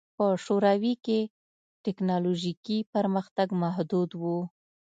په شوروي کې ټکنالوژیکي پرمختګ محدود و